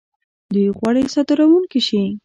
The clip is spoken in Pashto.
دوی غواړي صادرونکي شي.